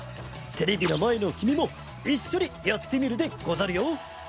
テレビのまえのきみもいっしょにやってみるでござるよ。